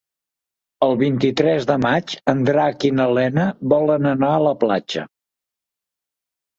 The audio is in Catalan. El vint-i-tres de maig en Drac i na Lena volen anar a la platja.